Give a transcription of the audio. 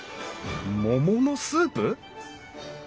桃のスープ！？